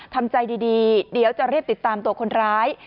ทำใจดีเดี๋ยวจะรีบติดตามตัวคนร้าย